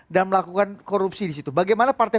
dan melakukan korupsi di situ bagaimana partai